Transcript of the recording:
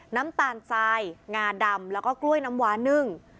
น้ำตาลทรายงาดำแล้วก็กล้วยน้ำหวานึ่ง